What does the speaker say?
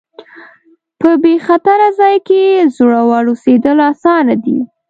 په بې خطره ځای کې زړور اوسېدل اسانه دي.